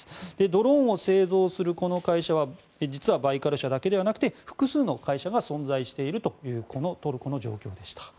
ドローンを製造するこの会社は実はバイカル社だけではなくて複数の会社が存在しているというトルコの状況でした。